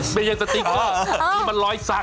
มีอย่างสติ๊กเกอร์มีมันรอยสัก